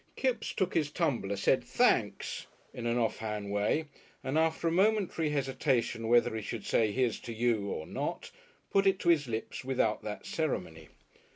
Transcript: Kipps took his tumbler, said "Thenks" in an off hand way, and after a momentary hesitation whether he should say "here's to you!" or not, put it to his lips without that ceremony.